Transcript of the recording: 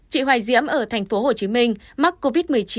chị hoài diễm ở tp hcm mắc covid một mươi chín